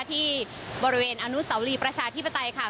ที่บริเวณอนุสาวรีประชาธิปไตยค่ะ